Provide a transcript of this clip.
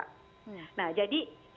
nah jadi sekarang ini cuma cita cita mbak